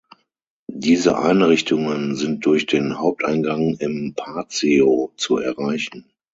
Diese Einrichtungen sind durch den Haupteingang im Patio zu erreichen.